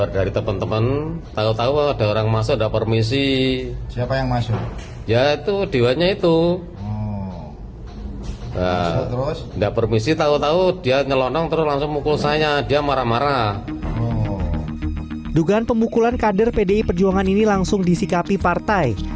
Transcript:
dugaan pemukulan kader pdi perjuangan ini langsung disikapi partai